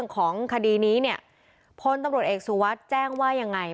ของคดีนี้เนี่ยพลตำรวจเอกสุวัสดิ์แจ้งว่ายังไง